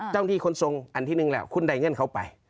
เจ้านี่คนทรงอันที่นึงแล้วคุณได้เงื่อนเขาไป